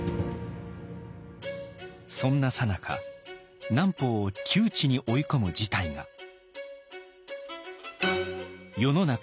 そんなさなか南畝を窮地に追い込む事態が。